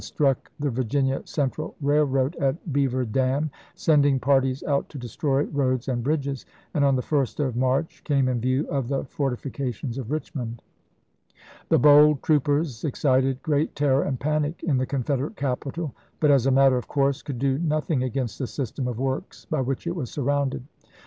IX. struck the Virginia Central Railroad at Beaver Dam, sending parties out to destroy roads and bridges, and on the 1st of March came in view of the fortifications of Richmond. The bold troopers ex cited gi eat terror and panic in the Confederate capital, but, as a matter of course, could do nothing against the system of works by which it was sur rounded.